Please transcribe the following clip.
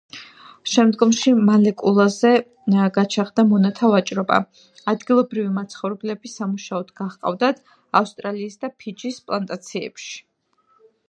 შემდგომში მალეკულაზე გაჩაღდა მონათა ვაჭრობა: ადგილობრივი მაცხოვრებლები სამუშაოდ გაჰყავდათ ავსტრალიის და ფიჯის პლანტაციებში.